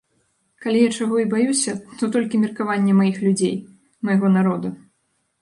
Калі я чаго і баюся, то толькі меркавання маіх людзей, майго народа.